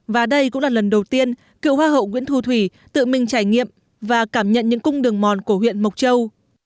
và đây cũng là lần đầu tiên cựu hoa hậu nguyễn thu thủy tự mình trải nghiệm và cảm nhận những cung đường mòn của huyện mộc châu